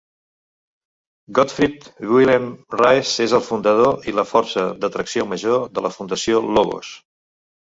Godfried-Willem Raes és el fundador i la força de tracció major de la fundació Logos.